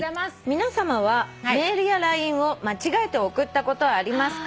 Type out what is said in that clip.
「皆さまはメールやＬＩＮＥを間違えて送ったことありますか？」